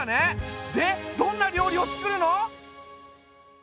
でどんな料理をつくるの？